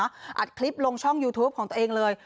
อัดคลิปลงช่องยูทูปของตัวเองเลย